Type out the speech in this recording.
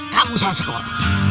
kamu salah sekolah